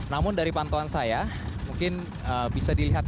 namun dari pantauan saya mungkin bisa dilihat